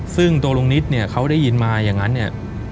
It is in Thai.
ซึ่งตัวลุงนิดเนี่ยเขาได้ยินมาอย่างนั้นเนี่ย